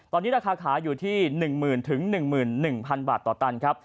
ตอนนี้ราคาขายอยู่ที่๑๐๐๐๑๑๐๐บาทต่อตันครับ